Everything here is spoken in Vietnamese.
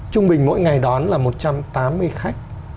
trung bình mỗi ngày đón là một trăm tám mươi khách